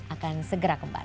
akan segera kembali